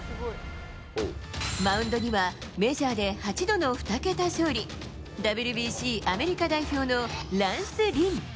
マウンドにはメジャーで８度の２桁勝利、ＷＢＣアメリカ代表のランス・リン。